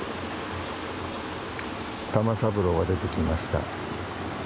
玉三郎が出てきました。